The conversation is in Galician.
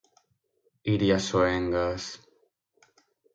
Iria Soengas...